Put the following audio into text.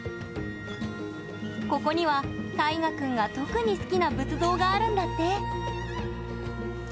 ここには、たいがくんが特に好きな仏像があるんだって。